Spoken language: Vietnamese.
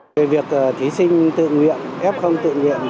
về việc thí sinh tự nguyện f tự nguyện